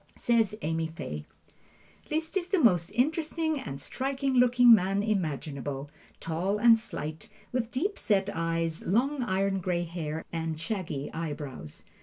Says Amy Fay: Liszt is the most interesting and striking looking man imaginable, tall and slight, with deep set eyes, long iron gray hair, and shaggy eyebrows.